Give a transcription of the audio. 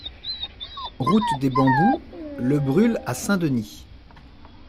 Route des Bambous - Le Brule à Saint-Denis